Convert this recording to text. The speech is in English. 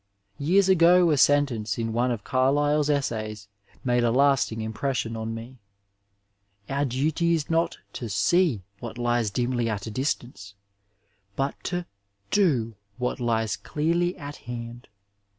Years ago a sentaice in one of Carlyle's essays made a last^ ing impression on me :^' Our duty is not to see what lies dimly at a distance, but to do what lies clearly at hand."